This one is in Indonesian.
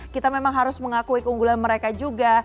kita memang harus mengakui keunggulan mereka juga